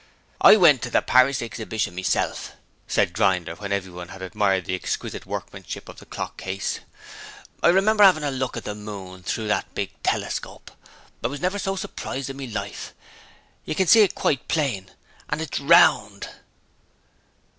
'I went to the Paris Exhibition meself,' said Grinder, when everyone had admired the exquisite workmanship of the clock case. 'I remember 'avin' a look at the moon through that big telescope. I was never so surprised in me life: you can see it quite plain, and it's round!'